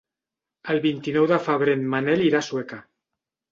El vint-i-nou de febrer en Manel irà a Sueca.